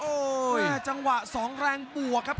โอ้โหจังหวะ๒แรงบวกครับ